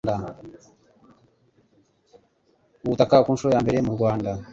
ubutaka ku nshuro ya mbere mu rwanda